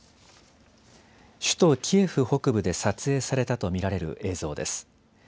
首都キエフ北部で撮影されたと見られる映像です。